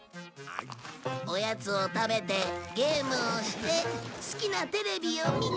おやつを食べてゲームをして好きなテレビを見て。